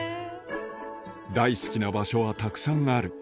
大好きな場所はたくさんある。